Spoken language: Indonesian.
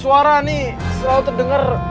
suara ini selalu terdengar